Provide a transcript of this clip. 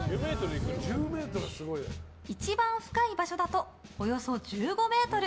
一番深い場所だとおよそ１５ｍ。